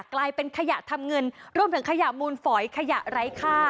กลายเป็นขยะทำเงินรวมถึงขยะมูลฝอยขยะไร้ค่า